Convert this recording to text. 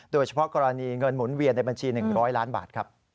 โดยเฉพาะกรณีเงินหมุนเวียนในบัญชี๑๐๐ล้านบาทครับ